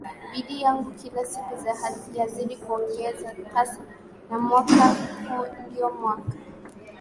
bidii yangu kila siku yazidi kuongeza kasi na mwaka huu ndio mwaka